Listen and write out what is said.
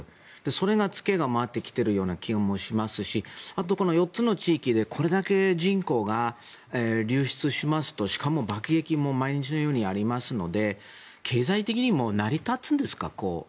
そのつけが回ってきているような気もしますしあと、この４つの地域でこれだけ人口が流出しますとしかも爆撃も毎日のようにありますので経済的にも成り立つんですか？